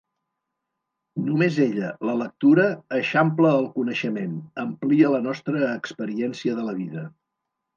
Només ella, la lectura, eixampla el coneixement, amplia la nostra experiència de la vida.